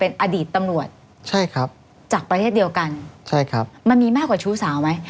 เป็นอดีตตำรวจใช่ครับจากประเทศเดียวกันใช่ครับมันมีมากกว่าชู้สาวไหม